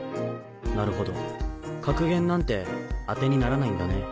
なるほど格言なんて当てにならないんだね。